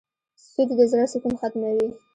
سود د زړه سکون ختموي.